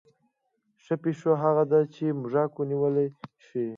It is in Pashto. ښه پیشو هغه ده چې موږک ونیولی شي.